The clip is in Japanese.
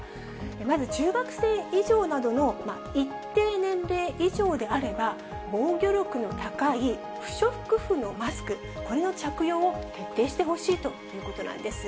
まず中学生以上などの一定年齢以上であれば、防御力の高い不織布のマスク、これの着用を徹底してほしいということなんです。